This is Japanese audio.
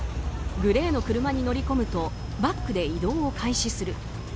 グレーの車に乗り込むとバックで移動を開始する。